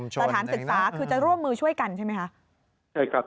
จะร่วมมือช่วยกันใช่ไหมครับ